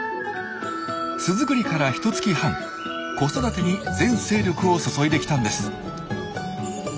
巣作りからひとつき半子育てに全精力を注いできたんです。